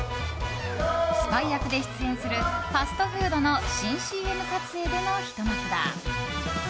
スパイ役で出演するファストフードの新ＣＭ撮影でのひと幕だ。